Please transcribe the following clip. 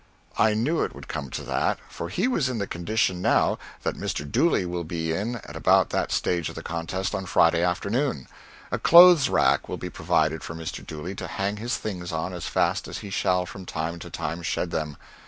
I knew it would come to that, for he was in the condition now that Mr. Dooley will be in at about that stage of the contest on Friday afternoon. A clothes rack will be provided for Mr. Dooley to hang his things on as fast as he shall from time to time shed them.